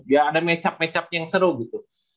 ya ada mecap macapnya yang seru gitu